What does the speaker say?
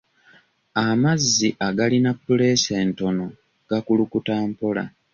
Amazzi agalina puleesa entono gakulukuta mpola.